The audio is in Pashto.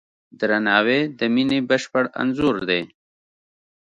درناوی د مینې بشپړ انځور دی.